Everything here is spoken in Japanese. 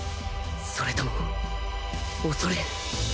それとも恐れ